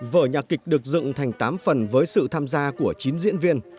vở nhạc kịch được dựng thành tám phần với sự tham gia của chín diễn viên